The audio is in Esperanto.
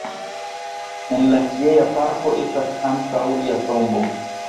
En la tiea parko estas ankaŭ lia tombo.